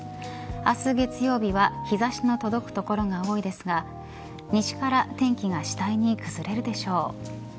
明日、月曜日は日差しの届く所が多いですが西から天気が次第に崩れるでしょう。